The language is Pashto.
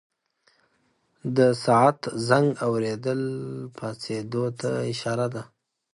د ساعت زنګ اورېدل پاڅېدو ته اشاره ده.